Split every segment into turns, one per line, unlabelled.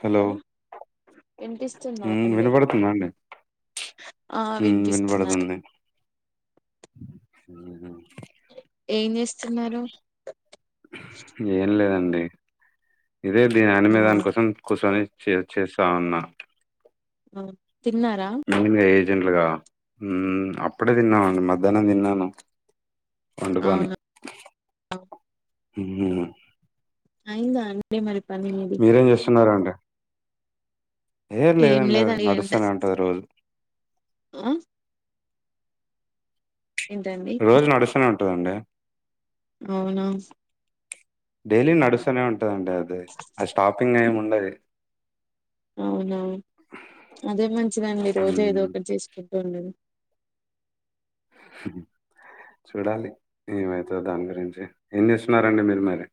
Hello
వినిపిస్తుందా అండి
వినపడుతుంద అండి
ఆ వినిపిస్తున్నది
వినబడతుంది
ఏ
ఏం లేదండి ఇదే దీని
అవునా
అనిమేదాని కోసం కూర్చొని చే చేస్తా ఉన్నా
తిన్నారా
ెంలుగా అప్పుడే తిన్నాముండి మధ్యాహ్నం తిన్నాను వండుకని
అవునా అయిందా అదే మరి పని మీది
మీరేం చేస్తున్నారండి ఏం లేదండి అది నడుస్తూనే ఉంటుది రోజు
ఆ ఏంటండి
రోజు నడుస్తూనే ఉంటుందండి
అవునా
డైలీ నడుస్తూనే ఉంటదండి అది అది స్టాపింగ్ ఏమి ఉండదు
అవునా అదే మంచిదండి రోజు ఏదో
ఉమ్
ఒకటి చేసుకు స
చూడాలి ఏమైతు దాని గురించి ఎన్ని చేస్తున్నారంండి మీరు మరి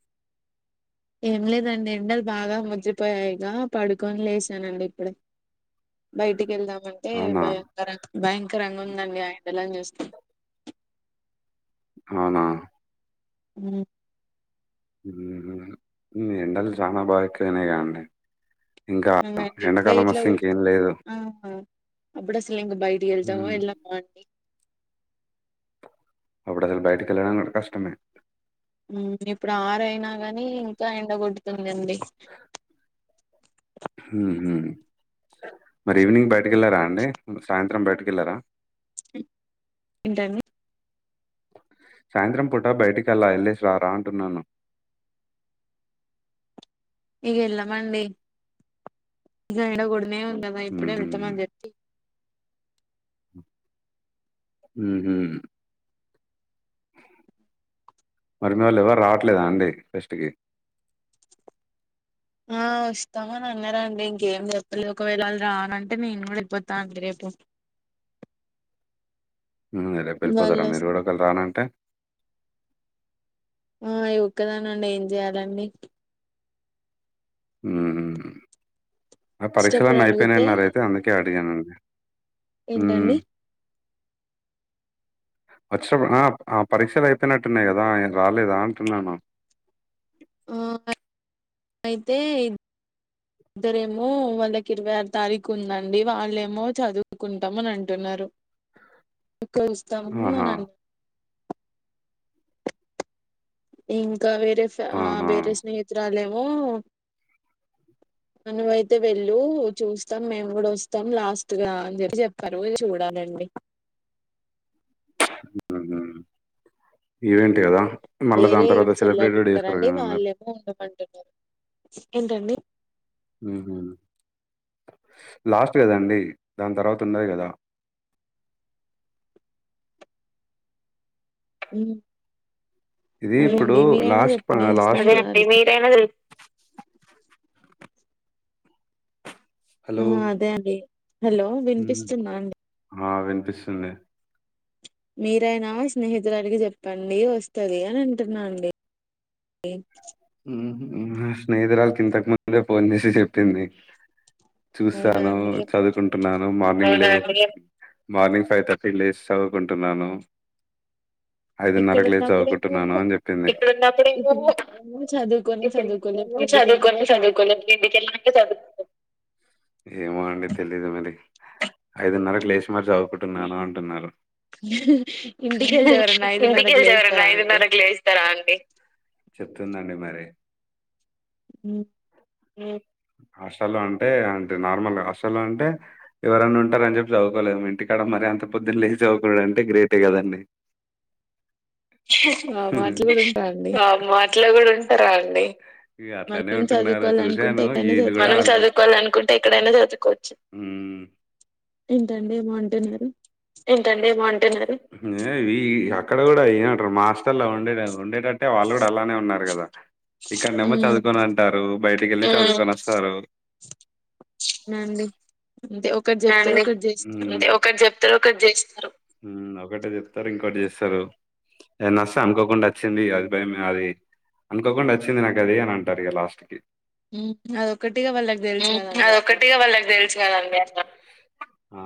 ఏం లేదండి ఎండలు బాగా ముద్రపోయాయిగా పడుకొని లేసానండి ఇప్పుడే బయటికిెళ్లాా అంటే
అవునా?
భయంకర భయంకరంగా ఉందండి ఆ ఇడలాని చూస్తాం
అవునా
అ
ఏండల్ చాణ బాగా ఎక్కువైంది కదండీ
అండి ఇప్పుడే ఇట్లా పడదు
లేదు.
ఆ అప్పుడ సల ఇంగ బైడి ఎళ్తవ
హ్మ్.
ఎలా మా
అప్పుడు అలు బయటకి వెళ్ళడా కష్టమే
ఇప్పుడు ఆరుయినా గాని ఇంకా కొడుతుందండి
హ్మ్. హ్మ్. మరి ఈవినింగ్ బయటకి వెళ్ళారా అండి సాయంత్రం బయటక వెళ్ళారా
ఏంటండి
సాయంత్రం పుట బయటికెళ్లా వెళ్లేసి రా రా అంటున్నాను
ఇగ వెళ్లమండి ఉనే ఉందాదా ఇప్పుడే
హ్మ్.
వెళ్తమ
హ్మ్.
జచీ
హ మరి మీ వాళ్ళు ఎవరు రావట్లేదా అండి ఫెస్ట్కి
ఆ ఇస్తామని అన్నార అండి ఇంకేం చెప్పలే ఒకవేళళ్ళ రానంటే నేను కూడా వెళ్ళపోతాన అండి రేపు ఏ
ఉ రేపు వెళ్ళిపోతారా మీరు కూడ, ఒక వేళ రానంటే
ఆ ఒక్క దానండి ఏం చేయాలండి.
ఉ హూ
వచ్చేటప్పుడు
పరీక్షలన్నీ
అడిగితే
అయిపోయినాయయిన్నారు అయితే అందుకే అడిగానండి. హ్మ్.
ఏంటండి? ఉ
వచ్చినప్పుడు ఆ పరీక్షలు అయిపోయినట్టున్నాయి కదా రాలేదా అంటున్నాను.
ఆ అయితే ఇద్దరేమో వాళ్ళకి ఇరవై ఆరు తారీఖు ఉందండి, వాళ్ళేమో చదువుకుంటాం అని అంటున్నారు. ఎట్లా చూస్తాం
ఆహా!
అనం ఇంకా, వేరే
ఆహా!
వేరే స్నేహితురాలేమో మనం అయితే వెళ్ళు చూస్తాం మేము కూడా వస్తాం లాస్ట్ గా అని చెప్పి చెప్పారు చూడాలండి. అండి
ఉ హూ ఈవెంట్ కదా?
వేరే ఏడు చెల్లలు ఉంటారండి వాళ్ళేమో ఉండమంటున్నారు. ఏంటండి?
మ్ హూ లాస్ట్ కదండి దాని తర్వాత ఉండది కదా?
ఉ ఉ
ఇది హ్మ్. ఇప్పుడు
అదేండి మీరైనా
లాస్ట్ ప
చెప్పండి
అదే లాస్ట్ అండి.
స్నేహితురాలికి
మీరైనా తెల్
ఆ
హలో!
అదే అండి హలో
హ్మ్.
వినిపిస్తుందా అండి.
ఆ! వినిపిస్తుంది.
మీరైనా స్నేహితురాలికి చెప్పండి వస్తుంది అని అంటున్నానండీ. ఏ [unintelligible]
స్నేహితురాల క ఇంతకు ముందే ఫోన్ చేసి చెప్పింది
అవునా
చూసాను,
అండి
చదువుకుంటున్నాను. మార్నింగ్ మార్నింగ్ ఫైవ్ థర్టీ లేచి చదువుకుంటున్నాను.
ఇక్కడ
ఐదున్నరకు లేసి
ఉన్నప్పుడేమో
చదువుకుంటున్నాను అని చెప్పింది.
ఇప్పుడు ఏమో చదువుకొని
ఇప్పుడు
చదువుకోలే ఇప్పుడు ఇంటికెళ్ళినంక
చదువుకోని చదువుకోలే
చదువుకుంటున్నాం
ఇంటికెల్లాకి చదువుకో. ఏమో అండి తెలీదు మరి ఐదున్నర కు లేసి మరి చదువుకుంటున్నాను అంటున్నారు.
ఇంటికెళ్తే ఎవరన్నా ఐదున్నరకు
ఇంటికెళ్చేవరండి
లేస్తారా అండి
ఐదున్నరకు లేస్తారా అండి. చెప్తుందండి మరి
మ్
మ్ హాస్టల్లో అంటే, అంటే నార్మల్ హాస్టల్లో అంటే ఎవరన్న ఉంటారని చెప్పి చదువుకోలేము. ఇంటికాడ మరీ అంత పొద్దున లేచి చదువుకోనుడుడు అంటే గ్రేటే కదండి.
పాపం అట్ల కూడా ఉంటా అండి
వామ్మో అట్లా కూడా ఉంటారా అండి. ఇగ అట్లనే
మనం
ఉంటున్నారు.
చదువుకోవాలనుకుంటే ఎక్కడైనా
మనం
చదువుకోవచ్చు
చదువుకోవాల అనుకుంటే ఎక్కడైనా చదువుకోవచ్చు. ఉ
ఏంటండి ఏమో అంటున్నారు.
ఇ అక్కడ కూడా ఏమంటారు హాస్టల్లో ఉండేట ఉండేటట్టే వాళ్ళు. కూడ ఇ అలానే ఉన్నారు కదా ఇక్కడ ఏమో
మ్మ్
చదువుకొని అంటారు బయటికి వెళ్ళి చదుకొని వస్తారు.
అండి
అండి ఒకటి చెప్తారు ఒకటి చేస్త ఒకటే చెప్తారు ఇంకోటి చేస్తారు. ఏ నస అనుకోకుండా వచ్చింది అది భయం అది అనుకోకుండా వచ్చింది నాకు అది అని అంటారు ఇ లాస్ట్ కి
అదొక్కటిగా వాళ్ళకి తెలుసు కదండి అట్లా
అదొక్కటిగా వాళ్ళకి తెలిసు కదండి అ ఆ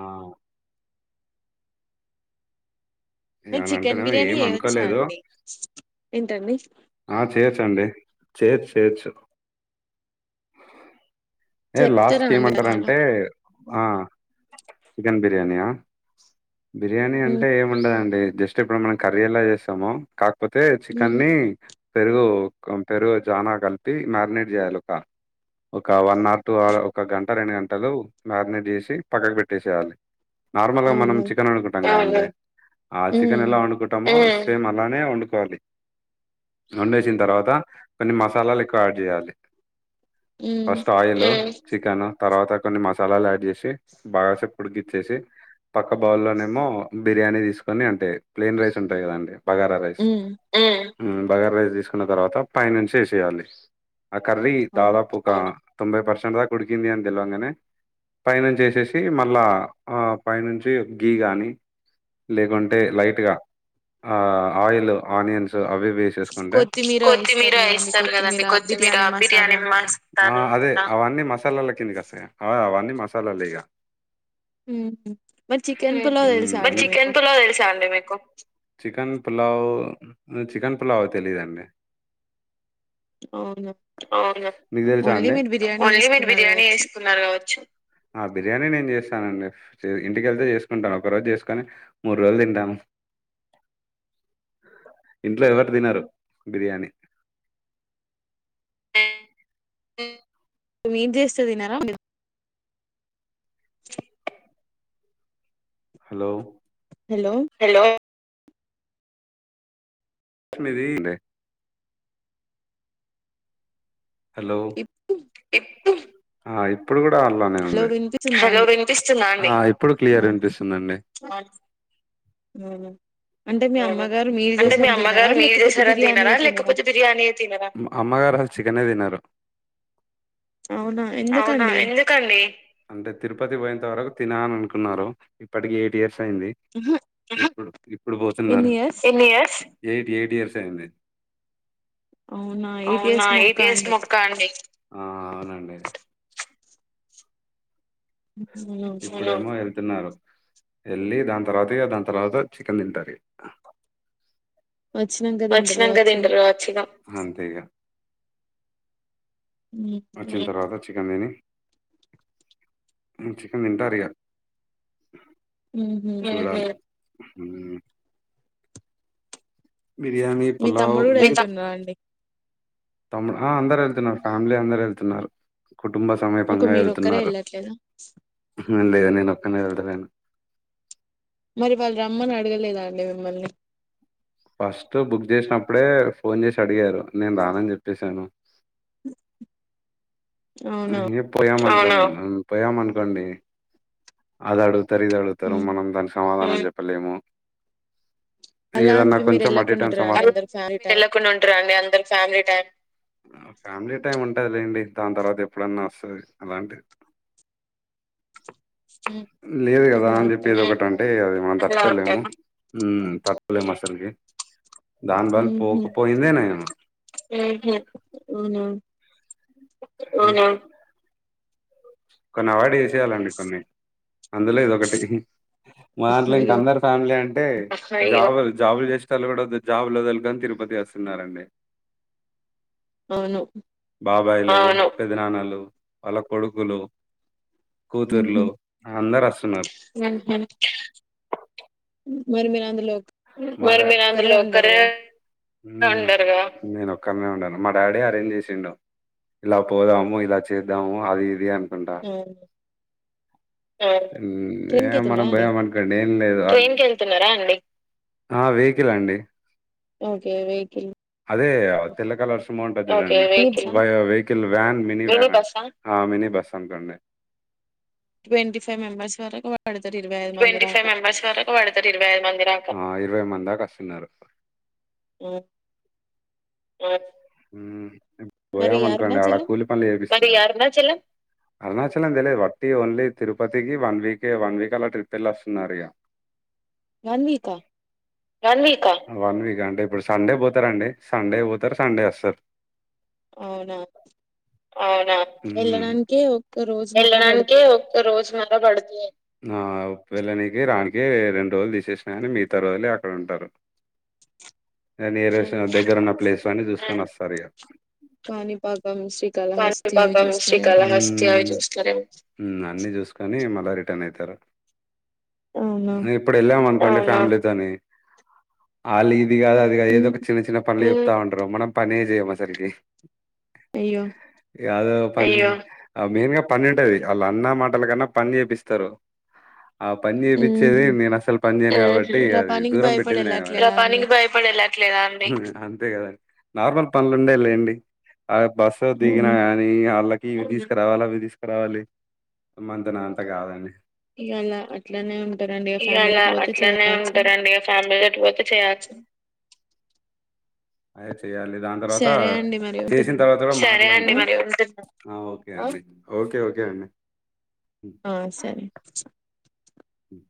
చికెన్
ఏమనంటేనేమో
బిర్యానీ
ఏం
ఏ వచ్చా
అనుకోలేదు.
అండి ఏంటండి
ఆ చేయచ్చ అండి చేయచు చేయచ్చు ఏ లాస్ట్
చెప్తారా
కి
అండి వాళ్ళు
ఏమంటారంటే చికెన్ బిర్యానీయా బిర్యానీ
అవును
అంటే ఏమిండదండి జస్ట్ ఇప్పుడు మనం కర్రీ ఎలా చేస్తామో కాకపోతే చికెన్ని ని పెరుగు పెరుగు జానా కలిపి మ్యారినేట్ చేయాలి ఒక ఒక వన్ ఆర్ టూ ఆర్ ఒక గంట రెండు గంటలు మారినేట్ చేసి పక్కకు పెట్టేసేయాలి నార్మల్ గా మనం
మ్మ్
చికెన్ వండుకుంటాం కద ఆ చికెన్ ఎలా
మ్మ్
వండుకుంటామో సేమ్ అలానే వండుకోవాలి వండేసిన తర్వాత కొన్ని మసాలాలు ఎక్కువ యాడ్ చేయాలి ఫస్ట్ ఆయిల్ చికెన్ తర్వాత కొన్ని మసాలాలు యాడ్ చేసి బాగా కొద్ది సేపు ఉడికించేసి పక్క బౌల్లోనేమో బిర్యానీ తీసుకొని అంటే ప్లయిన్ రైస్ ఉంటాయి కదండి బాగరా రైస్
మ్మ్
బగర్ రైస్ తీసుకున్న తర్వాత పైనుంచి వేసేయాలి ఆ కర్రీ
అవును
దాదాపు ఒక తొంభై పర్సెంట్ దాకా కుడికింది అని తిలువంగానే పైనుంచి వసేసి మళ్ళా ఆ పైనుంచి గీ గాని లేకుంటే లైట్ గా ఆ ఆయిల్ ఆనియన్స్ అవి వేసిసుకుంటే
కొత్తిమీర వేస్తారు కదండి కొత్తిమీర బిర్యానీ మసాలా
అదే అవన్నీ మసాలాల కింది కి వస్తాయండి అవన్నీ మసాలాలు ఇక
హ్మ్. మరి చికెన్ పులావ్ తెలుసా
మరి
అండి మీకు
చికెన్ పులావ్ తెలుసా అండి మీకు చికెన్ పులావ్ చికెన్ పులావ్ తెలీదుండి
అవున
అవును మీకు తెలుసా అండి [inaudible]
చేసుకున్నారు కావచ్చు
ఆ బిర్యానీ నే చేస్తాను స్తానండి ఇంటికెళ్తే చేసుకుంటాను ఒక రోజు చేసుకొని మూడు రోజులు తింటాము ఇంట్లో ఎవరూ తినరు బిర్యానీ అ
ఏం చేస్తా తన్నారా
హలో
హలో
హలో! మిది హలో ఇప్పుడు కూడా అలానే
హలో
ఉంది
వినిపిస్తుందా అండి
ఇప్పుడు క్లియర్ వినిపిస్తుందంది అ
ఉమ్
అంటే మీ అమ్మగారు మీరు
లేకపోతే
చేసారని
బిర్యానీ
తినారా
తినరా
లేకపోతే బిర్యానీ తినరా చికన్నే తినరు
అవునా
అవున
ఎందుకండి
ఎందుకండి తినని అనుకున్నారు ఇప్పటికి ఎయిట్ ఇయర్స్ అయింది
ఆహా,
ఇప్పుడు ఇప్పుడు పోతున్నారు
ఎన్ని ఇయర్స్
ఎయిట్ ఎయిట్ ఇయర్స్
అవునా ఎయిట్
అవునా
ఇయర్స్ మొక్క
ఎయిట్ ఇయర్స్
అండి
ముక్క అండి
అవునా
[inaudible] తిన్నారు వెళ్ళి దాని తర్వాత దాని తర్వాత చికెన్ తింటారు
వచ్చినాక తింటారు
వచ్చినంక
కావచ్చు ఇగ
తింటారు కావచ్చు ఇగ ఇగ వచ్చిన తరువాత చికన్ తేని చికన్ తింటారూ ఇగ
ఉహు
హ బిర్యానీ
మీ
పులావ
తమ్ముడు కూడా వెళ్తున్నారా అండి
తముడు ఆ అందరుూ వెళ్తున్నారు ఫ్యామిలీ అందరుూ వెళ్తున్నారు కుటుంబ
ఒక
సమీపంగా
మీరు ఒక్కరే
వెళ్తున్నారు
వెళ్ళట్లేదా
లేదా నేను ఒక్కనే వెళ్దలేను
మరి వాళ్ళు రమ్మని అడగలేదా అండి మిమ్మల్ని
ఫస్ట్ బుక్ చేసినప్పుడే ఫోన్ చేసి అడిగారు నేను రానని చెప్పేసాను
అవునా
ఏ పోయామ పోయామనుకోండి అద అడు తరిద అడుగుతారు
ఉమ్.
మనం దానికి సమాధానం చెప్పలేము
అలా అని
ఏదన్నా
చెప్పి మీరు
కొంచెం
వెళ్ళకుండా ఉంటారా అండి
అరు
అందరు ఫ్యామిలీ
వెళ్కుండా ఉారు అండి ఫై ఫ్యామిలీ టైమ్ ఉంటదిలేండి దాని తర్వాత ఎప్పుడన్నా వస్తుంది అలాంటి
టైం
లేదు కదా
అలా
అని చెప్పేది
ఉంటారా
ఒకటింటే అది మన తత్ ల తత్కాల మసాలకి దాని బల్
ఉహు
పోకపోయిందేనేే
అవునా
ఆహ అ కొన్ని అవాార్డ చేయాలండి కొన్ని అందులో ఇద ఒకకటి మాార
అయ్యో
కందర్ ఫామలీడి అంటే జాబులు జాబులు చేస్తలు కూడా జాబులు వదలుకని తిరుపతి వస్తున్నారండి
అవును
బాబాయిలు పెదనానాలు వాళ్ళ కొడుకులు
ఉహు
కూతుర్లో అందరు వస్తున్నారు
మరి మీ అందు లో
మరి వినంద లోకర నేను ఒక్కరినే ఉంను మా డాడీ అరేంజ్ చేసింండ ఇలా పోదమో ఇలా చేద్దామో అది ఇద
అ ట్రైన్
ఏ
కెళ్తుందా
మనం
అండి
భయం అనుకోండి వెహికల్ అండి
ఓకే వెహికల్
అదే తెల్ల కల వషం ఉంటందిండి
ఎన్నిసా
వెహికల్ వ్యాన్ మినీ బస్ ఆ మినీ బస్ అంకండడి
ట్వ ఫై్ మెబర్స్ వర
ట్వంటీ ఫైవ్ మెంబెర్స్ వరకు పడతారు ఇరవై ఐదు మంది దాకా ఇరవై మంది దాకా వస్తున్నారుార్
ఏఓ
పోయామనుకోండి ఆడ
అరుణాచలం
కూలి పను చేపి అరుణాచలం తెలీదు వట్టి ఓన్లీ తిరుపతికి వన్ వీక్ వన్ వీక్ గలట్రి పెళ్లాస్తున్నారుార్య
వన్ వీకా
వన్ వీక్ వన్ వీక్ అంటే ఇప్పుడు సండే పోతారా అండి సండే పోతారు సండే వస్తారు
అవునా
అవునా
వెళ్ళడానికే ఒక్క రోజున్నర
వెళ్ళడానికే
పడుతది
ఒ రోజు మర పడుతుంది నా వెళ్ళనికి రానికి రెండు రోజులు తీసేసినా కాని మిగతా రోజులు అక్కడ ఉంటారు నేరెస్ దగ్గర ఉన్న ప్లేస్ అన్నని చూసుకని వస్తారు ఇక
కాణిపాకం శ్రీకాళహస్తి అవి
పా శ్రీ
చూస్తారేమో
కళహస్వి చూస్త ని మళ్ళ రిటర్న్ అవుత
అవునా
ఇప్పుడు వెళాం ఫ్యామిలీతోని వాళ్ళ ఇది కాద అది
ఉమ్
ఏదో ఒక చిన్న చిన్న ప ళ్ చెప్తా ఉండరు మనం పని చేయ్యము అసలుకి
అయ్యో
అద పని మెయిన్ గా పని ఉంటది వాళ్ళ అన్న మాటల కన్నా పని చేపిస్త తరొ. ఆ పని చేపిచేది
ఉహు
నేను, అసలు పనిజేయను కాబట్టి
మీరు ఆ
అది,
పనికి
దూరం
భయపడి
పెట్టింది నేనే.
వెళ్ళట్లేదా అండి
అంతే కదండి, నార్మల్ పనులుండే లేండి. అడ బస్ దిగినా
అవునా
గాని అళ్ళ. ఇవి తీసుకురావాలి, అవి తీసుకురావాలి మంతన అంత కాదండి.
ఇగ అలా అట్లనే ఉంటారండి ఇగ
ఇయల
ఫ్యామిలీతోటి పోతే
అట్లనే
చేయాల్సింది
ఉంటాదండి, ఇగ ఫ్యామిలీ ఎటు పోతే చేయాల్సి. ఐస్. ఇగ అండి దాని తర్వాత
సరే అండి మరి
చేసిన
ఉంటున్నా
తర్వాత కూడా.
ఆ
ఆ ఓకే అండి, ఓకే ఓకే అండి.
ఆ సరే.
హ